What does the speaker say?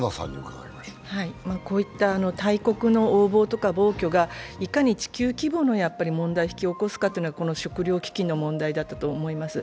こういった大国の横暴とか暴挙がいかに地球規模の問題を引き起こすかがこの食糧危機の問題だったと思います。